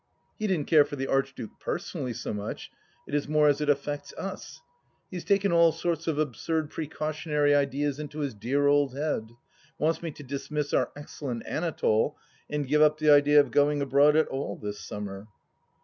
He didn't care for the Arch duke personally so much, it is more as it affects Us. He has taken all sorts of absurd precautionary ideas into his dear old head : wants me to dismiss our excellent Anatole, and give up the idea of going abroad at all this summer